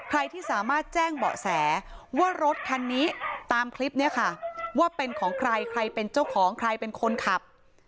ใครที่สามารถแจ้งเบาะแสว่ารถคันนี้ตามคลิปเนี่ยค่ะว่าเป็นของใครใครเป็นเจ้าของใครเป็นคนขับ